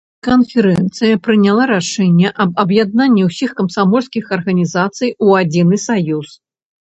Канферэнцыя прыняла рашэнне аб аб'яднанні ўсіх камсамольскіх арганізацый у адзіны саюз.